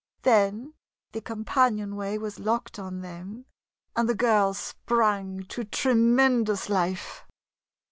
Then the companionway was locked on them, and the girl sprang to tremendous life.